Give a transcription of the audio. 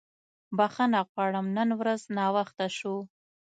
بښنه غواړم نن ورځ ناوخته شو.